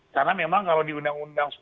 karena memang kalau di undang undang